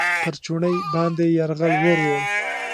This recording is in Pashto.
پر چوڼۍ باندې یرغل ورووړ.